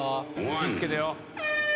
気ぃ付けてよ。